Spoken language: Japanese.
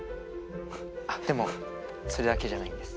でもそれだけじゃないんです。